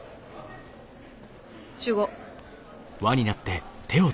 集合。